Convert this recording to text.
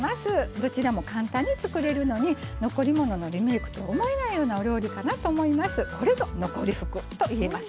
どちらも簡単に作れるのに残り物のリメイクとは思えないようなお料理かなと思います。